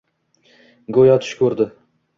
Go‘yo, tush ko‘rdi.